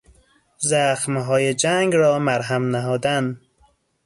زخمهای جنگ را مرهم نهادن